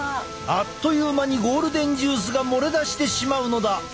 あっという間にゴールデンジュースが漏れ出してしまうのだ！